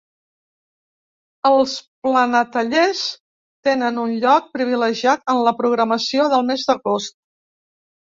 Els ‘Planetallers’ tenen un lloc privilegiat en la programació del mes d’agost.